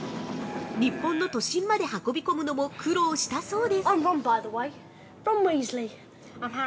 日本の都心まで運び込むのも苦労したそうです。